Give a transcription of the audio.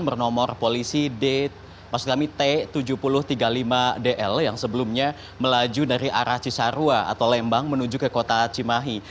bernomor polisi dmi t tujuh ribu tiga puluh lima dl yang sebelumnya melaju dari arah cisarua atau lembang menuju ke kota cimahi